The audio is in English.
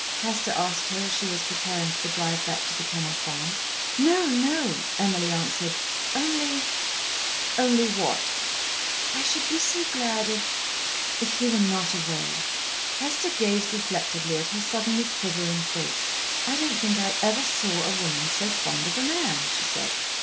Hester asked her as she was preparing for the drive back to The Kennel Farm. "No, no," Emily answered. "Only " "Only what?" "I should be so glad if if he were not away." Hester gazed reflectively at her suddenly quivering face. "I don't think I ever saw a woman so fond of a man," she said.